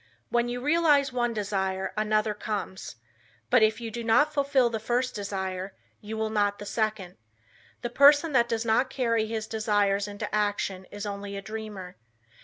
When you realize one desire, another comes. But if you do not fulfill the first desire, you will not the second. The person that does not carry his desires into action is only a dreamer.